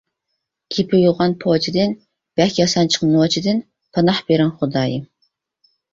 گېپى يوغان پوچىدىن، بەك ياسانچۇق نوچىدىن پاناھ بېرىڭ خۇدايىم.